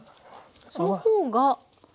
その方が。